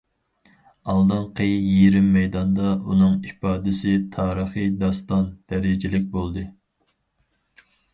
ئالدىنقى يېرىم مەيداندا ئۇنىڭ ئىپادىسى تارىخى داستان دەرىجىلىك بولدى.